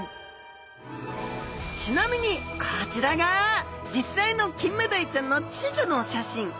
ちなみにこちらが実際のキンメダイちゃんの稚魚の写真。